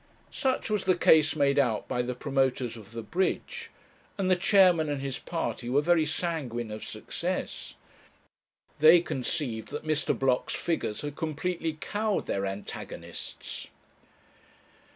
Such was the case made out by the promoters of the bridge, and the chairman and his party were very sanguine of success. They conceived that Mr. Blocks' figures had completely cowed their antagonists.